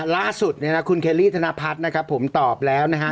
ล่าสุดเนี่ยนะคุณเคลลี่ธนพัฒน์นะครับผมตอบแล้วนะฮะ